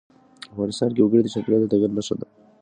افغانستان کې وګړي د چاپېریال د تغیر نښه ده.